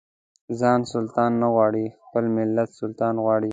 ځان سلطان نه غواړي خپل ملت سلطان غواړي.